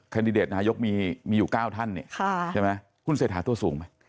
ดิเดตนายกมีอยู่๙ท่านเนี่ยใช่ไหมคุณเศรษฐาตัวสูงไหม